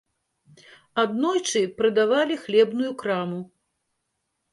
Аднойчы прадавалі хлебную краму.